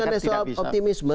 kalau mengenai soal optimisme